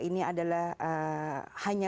ini adalah hanya